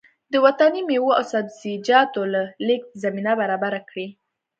د وطني مېوو او سبزيجاتو د لېږد زمينه برابره کړي